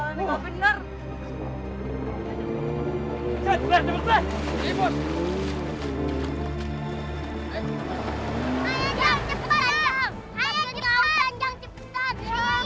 pak bapak punya mata enggak sih pak